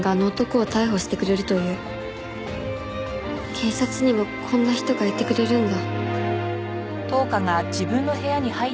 「警察にもこんな人がいてくれるんだ」